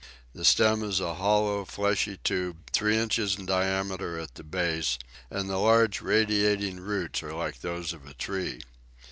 The stem is a hollow, fleshy tube, three inches in diameter at the base, and the large radiating roots are like those of a tree.